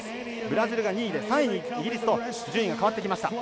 ブラジルが２位で３位にイギリス順位が変わってきました。